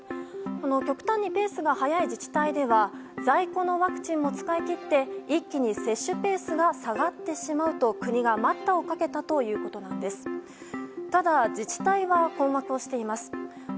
極端にペースが速い自治体では在庫のワクチンも使い切って一気に接種ペースが下がってしまうと国が待ったをかけたということなんです。